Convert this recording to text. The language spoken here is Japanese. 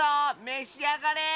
めしあがれ！